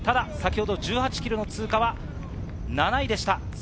１８ｋｍの通過は７位でした。